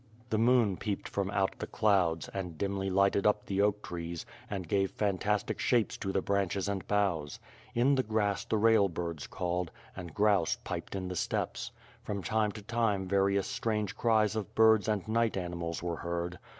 The moon peeped from out the clouds, and dimly lighted up the oak trees, and gave fantastic shapes to the branches and boughs. In the grass the rail birds called, and grouse piped in the steppes. From time to time various strange cries of birds and night animals were heard.